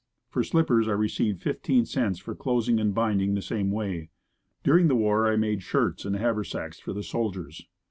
For slippers I received 15c for closing and binding the same way. During the war I made shirts and haver sacks for the soldiers.